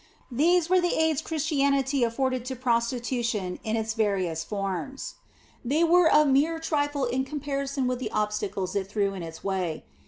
These were the aids Christianity afforded to prostitution in its various forms. They are a mere trifle in comparison with the obstacles it threw in its way.